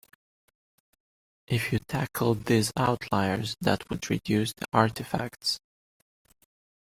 If you tackled these outliers that would reduce the artifacts.